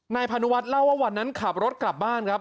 พานุวัฒนเล่าว่าวันนั้นขับรถกลับบ้านครับ